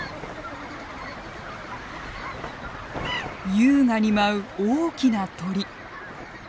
優雅に舞う大きな鳥。